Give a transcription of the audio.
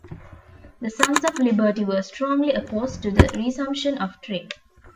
The Sons of Liberty were strongly opposed to the resumption of trade.